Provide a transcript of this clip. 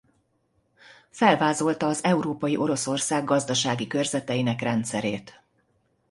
Felvázolta az európai Oroszország gazdasági körzeteinek rendszerét.